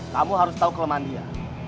kamu harus tahu kelemahan dia